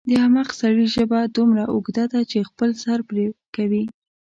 د احمق سړي ژبه دومره اوږده ده چې خپل سر پرې کوي.